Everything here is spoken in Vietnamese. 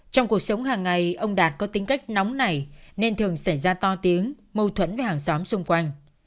trong cuộc sống hàng ngày ông đạt có tính cách nóng này nên thường xảy ra to tiếng mâu thuẫn với hàng xóm xung quanh